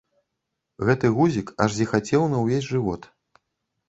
Гэты гузік аж зіхацеў на ўвесь жывот.